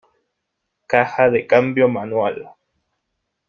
Caja de cambio manual.